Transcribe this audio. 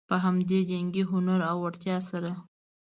په همدې جنګي هنر او وړتیا سره.